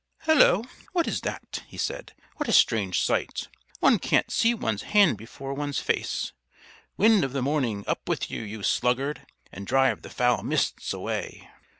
"Hullo, what is that?" he said. "What a strange sight! One can't see one's hand before one's face. Wind of the morning! up with you, you sluggard, and drive the foul Mists away."